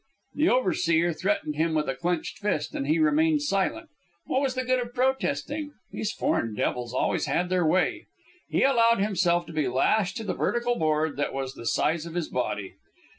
The overseer threatened him with a clenched fist, and he remained silent. What was the good of protesting? Those foreign devils always had their way. He allowed himself to be lashed to the vertical board that was the size of his body.